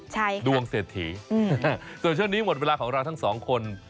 ใช่ค่ะดวงเศรษฐีส่วนช่วงนี้หมดเวลาของเราทั้งสองคน